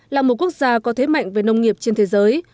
là một quốc gia có thế mạnh về nông nghiệp trên thế giới